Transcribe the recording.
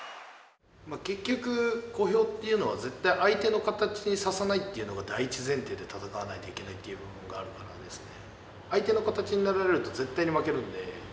結局小兵っていうのは絶対相手の形にさせないっていうのが第一前提で戦わないといけないっていう部分があるからですね。